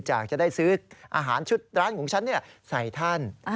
อาหารชุดร้านของฉันเนี่ยใส่ท่าน